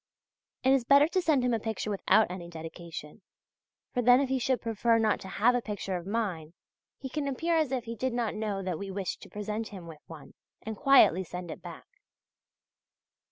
It is better to send him a picture without any dedication; for then if he should prefer not to have a picture of mine he can appear as if he did not know that we wished to present him with one and quietly send it back.